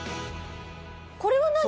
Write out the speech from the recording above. これは何？